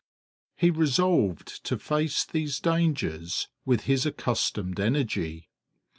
He resolved to face these dangers with his accustomed energy.